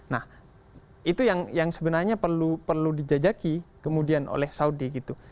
nah itu yang sebenarnya perlu dijajaki kemudian oleh saudi gitu